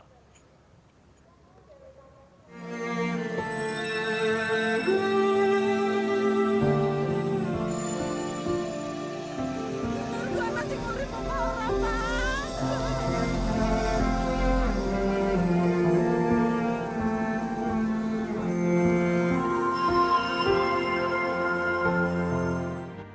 selain itu penerbangan tersebut juga menyebabkan penerbangan tersebut